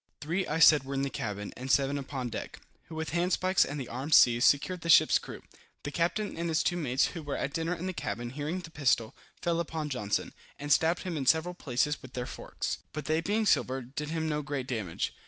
Three, I said, were in the cabin, and seven upon deck, who with handspikes and the arms seized, secured the ship's crew. The captain and his two mates, who were at dinner in the cabin, hearing the pistol, fell upon Johnson, and stabbed him in several places with their forks, but they being silver, did him no great damage.